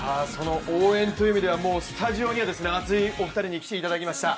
応援という意味では、スタジオには熱いお二人に来ていただきました。